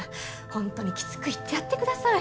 本当にきつく言ってやってください。